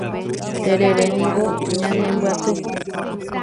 Tereréniko ñanembyaty